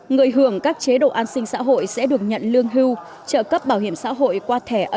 người hưởng các chế độ an sinh xã hội sẽ được nhận lương hưu